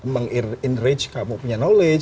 meng enrich kamu punya knowledge